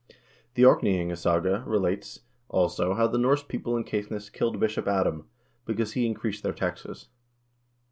The " Orkneyingasaga " relates, also, how the Norse people in Caithness killed Bishop Adam, because he increased their taxes.